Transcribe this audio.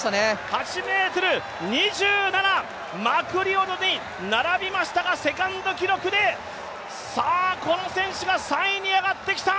８ｍ２７、マクリオドに並びましたがセカンド記録でこの選手が３位に上がってきた。